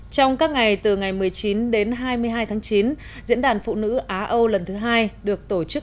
trong các ngày từ ngày một mươi chín đến hai mươi hai tháng chín diễn đàn phụ nữ á âu lần thứ hai được tổ chức